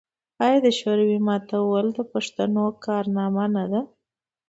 آیا د شوروي ماتول د پښتنو کارنامه نه ده؟